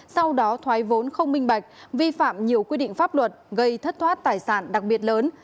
sau đó thoái vốn không minh bạch vi phạm nhiều quy định pháp luật gây thất thoát tài sản đặc biệt lớn